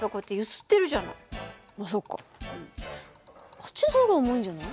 こっちの方が重いんじゃない？